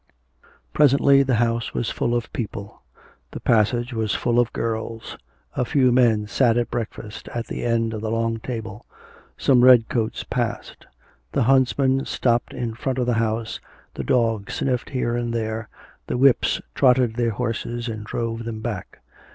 Presently the house was full of people. The passage was full of girls; a few men sat at breakfast at the end of the long table. Some red coats passed. The huntsman stopped in front of the house, the dogs sniffed here and there, the whips trotted their horses and drove them back.